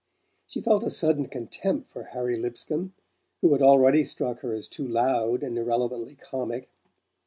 She felt a sudden contempt for Harry Lipscomb, who had already struck her as too loud, and irrelevantly comic.